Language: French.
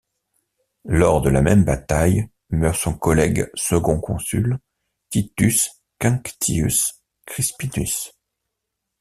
Lors de la même bataille meurt son collègue second consul, Titus Quinctius Crispinus.